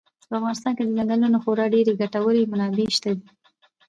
په افغانستان کې د ځنګلونو خورا ډېرې ګټورې منابع شته دي.